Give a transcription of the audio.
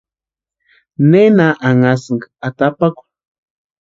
¿Nena anhasïnki atapakwa?